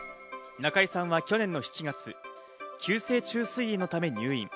中居さんは去年７月、急性虫垂炎のため入院。